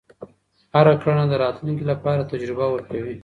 هره کړنه د راتلونکي لپاره تجربه ورکوي.